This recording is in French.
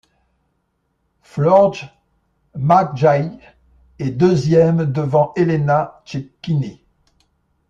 Floortje Mackaij est deuxième devant Elena Cecchini.